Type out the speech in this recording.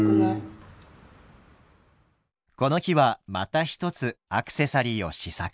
この日はまた一つアクセサリーを試作。